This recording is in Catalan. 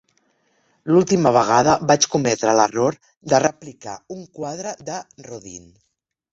L'última vegada vaig cometre l'error de replicar un quadre de Rodin.